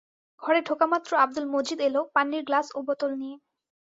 ঘরে ঢোকামাত্র আব্দুল মজিদ এল পানির গ্লাস ও বোতল নিয়ে।